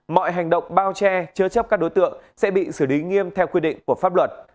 mọi hành động bao che chứa chấp các đối tượng sẽ bị xử lý nghiêm theo quy định của pháp luật